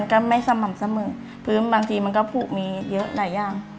ก็ไม่สม่ำเสมอพื้นบางทีมันก็ผูกมีเยอะหลายอย่าง